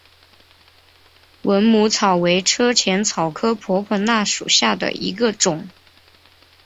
蚊母草为车前草科婆婆纳属下的一个种。